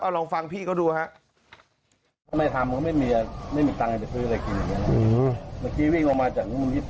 เอาลองฟังพี่ก็ดูนะฮะ